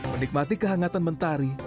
menikmati kehangatan mentari